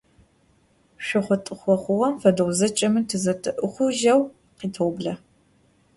Шъохъо-тӏыхъо хъугъэм фэдэу зэкӏэми тызэтӏэхъужьэу къэтэублэ.